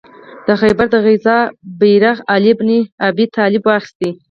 د خیبر د غزا بیرغ علي ابن ابي طالب واخیست.